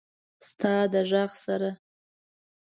ستا د ږغ سره…